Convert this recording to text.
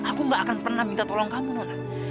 aku gak akan pernah minta tolong kamu nonak